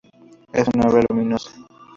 Es una obra luminosa.